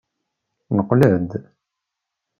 Neqqel-d.